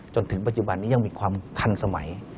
จนถึงปัจจุบันนี้ยังมีความทันสมัย